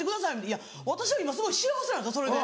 いや私は今すごい幸せなんですそれで。